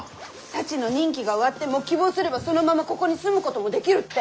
サチの任期が終わっても希望すればそのままここに住むこともできるって。